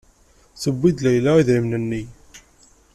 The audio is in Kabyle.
Tewwi-d Layla idrimen-nni.